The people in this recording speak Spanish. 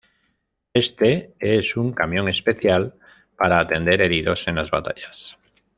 Este es un camión especial para atender heridos en las batallas.